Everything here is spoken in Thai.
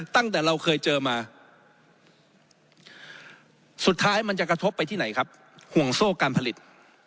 ตั้งแต่เราเคยเจอมาสุดท้ายมันจะกระทบไปที่ไหนครับห่วงโซ่การผลิต